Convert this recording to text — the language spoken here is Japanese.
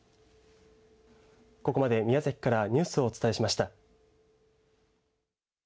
ここまで、宮崎からニュースをお伝えしました。